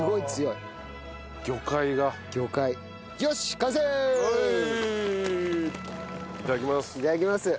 いただきます。